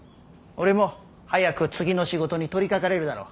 俺も早く次の仕事に取りかかれるだろ。